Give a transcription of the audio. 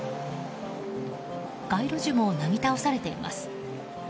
街路樹もなぎ倒されています。